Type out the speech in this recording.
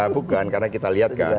bukan karena kita lihat kan